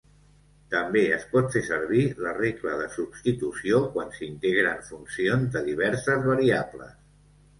També es pot fer servir la regla de substitució quan s'integren funcions de diverses variables.